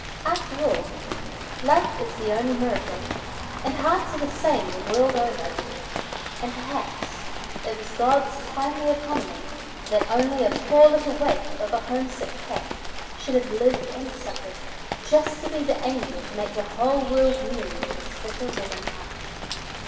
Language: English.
After all, love is the only miracle, and hearts are the same the world over, and perhaps it was God's timely economy that only a poor little waif of a homesick cat should have lived and suffered just to be the angel to make the whole world new for this bitter woman heart.